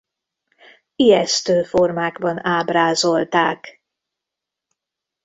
Ijesztő formákban ábrázolták.